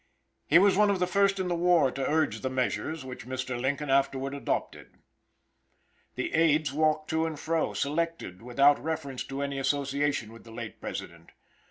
He was one of the first in the war to urge the measures which Mr. Lincoln afterward adopted. The aids walk to and fro, selected without reference to any association with the late President.